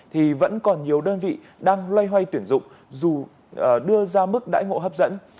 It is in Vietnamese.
thì vẫn còn nhiều đơn vị đang loay hoay tuyển dụng dù đưa ra mức đãi ngộ hấp dẫn